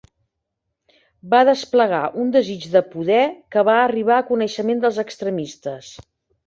Va desplegar un desig de poder que va arribar a coneixement dels extremistes.